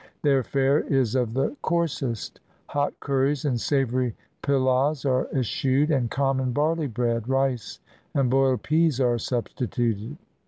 Their fare is of the coarsest. Hot curries and savory pilaws are eschewed, and common barley bread, rice, and boiled peas are sub stituted.